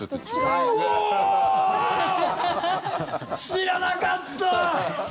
知らなかった！